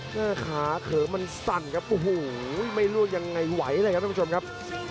หน้าขาเขิมมันสั่นครับโอ้โหไม่รู้ยังไงไหวเลยครับท่านผู้ชมครับ